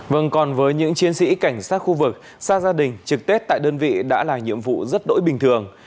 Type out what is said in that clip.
vâng còn với những chiến sĩ cảnh sát khu vực xa gia đình trực tết tại đơn vị đã là nhiệm vụ rất đỗi bình thường